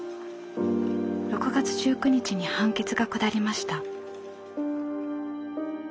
６月１９日に判決が下りました。